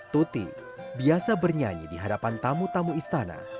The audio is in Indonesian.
tuti biasa bernyanyi di hadapan tamu tamu istana